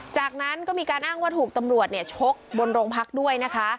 จากนั้นก็มีการอ้างว่าถูกตำรวจชกบนโรงพักด้วยนะคะ